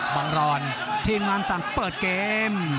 รอนทีมงานสั่งเปิดเกม